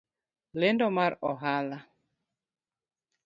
Lendo mar ohala